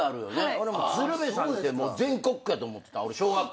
俺も鶴瓶さんって全国区やと思ってた小学校のとき。